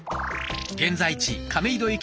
現在地亀戸駅